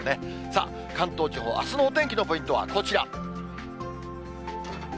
さあ、関東地方、あすのお天気のポイントはこちら。